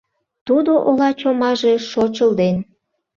Тудо ола чомаже шочылден